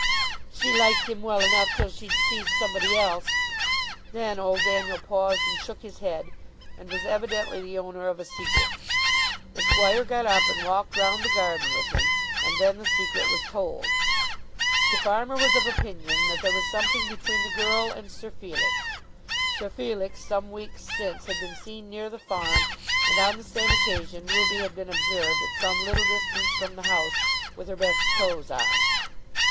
"She liked him well enough till she'd seed somebody else." Then old Daniel paused, and shook his head, and was evidently the owner of a secret. The squire got up and walked round the garden with him, and then the secret was told. The farmer was of opinion that there was something between the girl and Sir Felix. Sir Felix some weeks since had been seen near the farm and on the same occasion Ruby had been observed at some little distance from the house with her best clothes on.